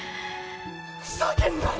ふざけんなよ！